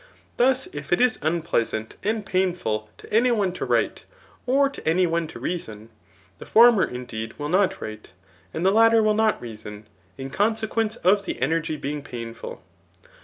] Thus, if it is unpleasant and painful to any one to write or to any one to reason ; the former, indeed, will not write, and the latter will not reason, in consequrace of the energy being painful.